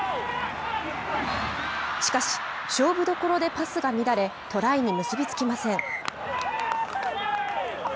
しかし、勝負どころでパスが乱れトライに結びつきません。